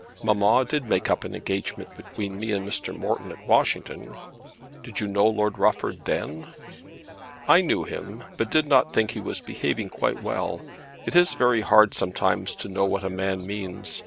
Mamma did make up an engagement between me and Mr. Morton at Washington." "Did you know Lord Rufford then?" "I knew him, but did not think he was behaving quite well. It is very hard sometimes to know what a man means.